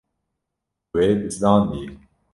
Wê bizdandiye.